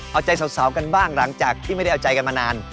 เอาใจสาวกันบ้างหลังจากที่ไม่ได้เอาใจกันมานาน